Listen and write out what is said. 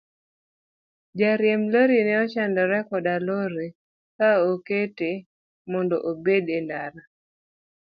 Jariemb lori ne ochandore koda lori ka okete mondo obed e ndara.